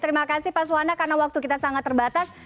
terima kasih pak suwana karena waktu kita sangat terbatas